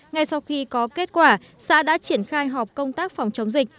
ngay sau khi có kết quả xã đã triển khai họp công tác phòng chống dịch